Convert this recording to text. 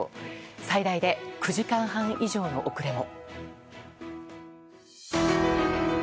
最大で９時間半以上の遅れも。